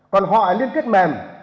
còn họ là liên kết mềm